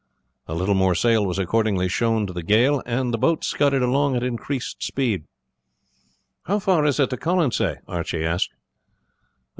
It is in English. A little more sail was accordingly shown to the gale, and the boat scudded along at increased speed. "How far is it to Colonsay?" Archie asked.